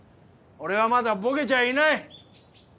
俺はまだボケちゃいない！